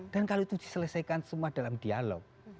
dan kalau itu diselesaikan semua dalam dialog